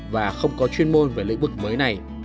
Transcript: và không có chuyên môn về lĩnh vực mới này